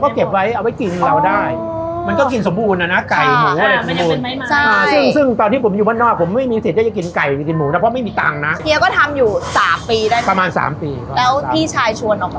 ก็คือพี่ชายเฮียจีบซาเล็งขายก๋วยเตี๋ยว